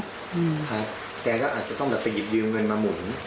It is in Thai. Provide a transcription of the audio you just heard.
แกก็อาจจะต้องแบบไปหยิบยืมเงินมาหมุน